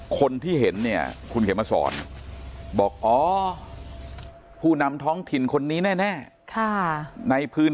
คนที่เห็นเนี่ยคุณเขียนมาสอนบอกอ๋อผู้นำท้องถิ่นคนนี้แน่ในพื้น